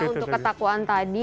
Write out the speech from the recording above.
untuk ketakuan tadi